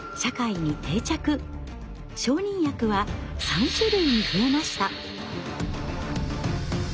承認薬は３種類に増えました。